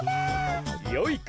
よいか！